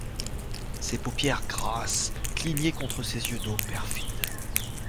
Ses paupières grasses clignaient contre ses yeux d'eau perfide.